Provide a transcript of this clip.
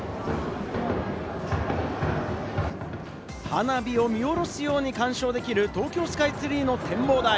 花火を見下ろすように鑑賞できる東京スカイツリーの展望台。